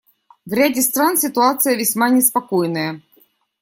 В ряде стран ситуация весьма неспокойная.